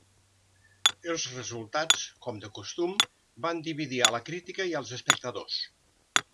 Els resultats, com de costum, van dividir a la crítica i als espectadors.